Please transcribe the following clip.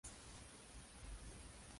Un tráiler de juego fue lanzado el mismo día.